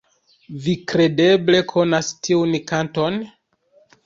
Vi kredeble konas tiun kanton?